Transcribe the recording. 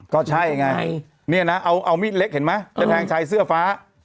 ก็ใช่ไงเนี่ยนะเอามีดเล็กเห็นไหมจะแทงชายเสื้อฟ้า